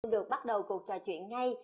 được bắt đầu cuộc trò chuyện ngay